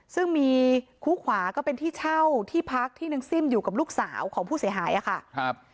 ซึ่งมีคู่ขวาก็เป็นที่เช่าที่พักที่นางซิ่มอยู่กับลูกสาวของผู้เสียหายค่ะครับ